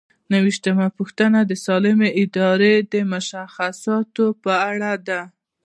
نهه ویشتمه پوښتنه د سالمې ادارې د مشخصاتو په اړه ده.